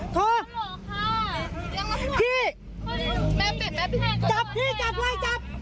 แต่ว่าที่